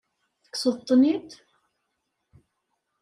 Tekkseḍ-tent-id?